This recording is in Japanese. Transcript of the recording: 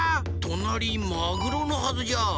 となりマグロのはずじゃ。